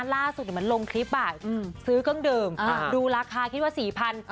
ล่าสุดเหมือนลงคลิปซื้อเครื่องดื่มดูราคาคิดว่า๔๐๐บาท